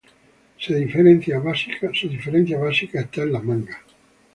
Su diferencia básica está en las mangas.